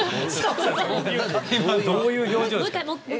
どういう表情ですか？